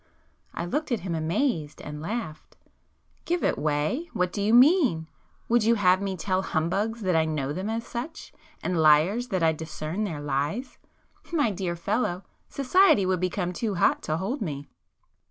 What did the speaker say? I looked at him amazed, and laughed. "Give it way? What do you mean? Would you have me tell humbugs that I know them as such?,—and liars that I discern their lies? My dear fellow, society would become too hot to hold me!"